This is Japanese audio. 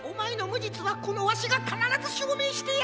じつはこのわしがかならずしょうめいしてやる！